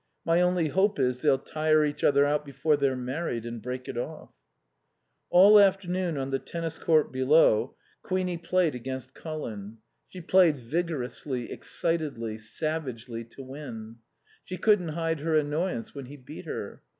My only hope is they'll tire each other out before they're married and break it off." All afternoon on the tennis court below Queenie played against Colin. She played vigorously, excitedly, savagely, to win. She couldn't hide her annoyance when he beat her.